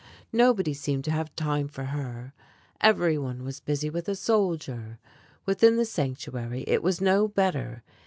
Nobody seemed to have time for her. Every one was busy with a soldier. Within the sanctuary it was no better.